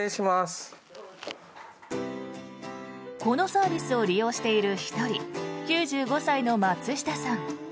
このサービスを利用している１人、９５歳の松下さん。